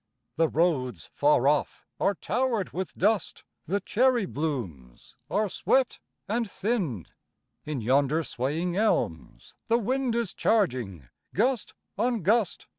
The roads far off are towered with dust; The cherry blooms are swept and thinned; In yonder swaying elms the wind Is charging gust on gust.